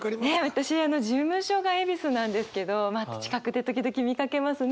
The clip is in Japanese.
私あの事務所が恵比寿なんですけど近くで時々見かけますね